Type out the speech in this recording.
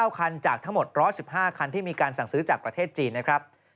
๙คันจากทั้งหมด๑๑๕คันที่มีการสั่งซื้อจากประเทศจีนนะครับ